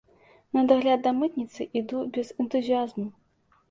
На дагляд да мытніцы іду без энтузіязму.